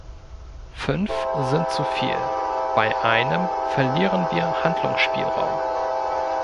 Fünf sind zu viel, bei einem verlieren wir Handlungsspielraum.